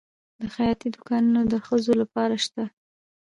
د خیاطۍ دوکانونه د ښځو لپاره شته؟